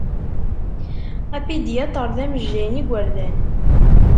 Apidyatr d amejjay n igʷerdan.